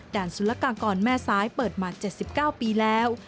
สุรกากรแม่ซ้ายเปิดมา๗๙ปีแล้ว